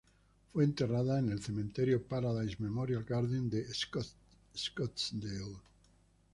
Fue enterrada en el cementerio Paradise Memorial Gardens de Scottsdale.